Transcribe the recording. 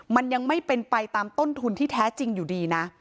มันยังไม่เป็นไปตามต้นทุนที่แท้จริงอยู่ดีนะ